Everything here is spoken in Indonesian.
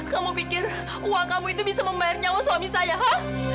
kamu pikir uang kamu itu bisa membayar nyawa suami saya ho